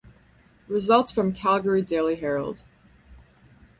Results from "Calgary Daily Herald".